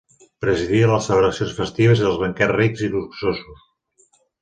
Presidia les celebracions festives i els banquets rics i luxosos.